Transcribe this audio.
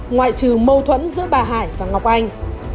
ngoại trừ mâu thuẫn giữa bà hải và ngọc anh